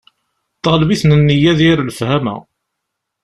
Teɣleb-iten nniya d yir lefhama.